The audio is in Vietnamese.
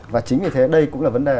và chính vì thế đây cũng là vấn đề